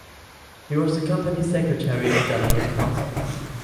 He was the company Secretary and General Counsel.